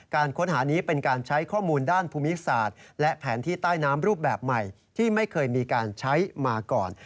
ค้นหานี้เป็นการใช้ข้อมูลด้านภูมิศาสตร์และแผนที่ใต้น้ำรูปแบบใหม่ที่ไม่เคยมีการใช้มาก่อน